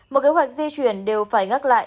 một kế hoạch di chuyển đều phải ngắc lại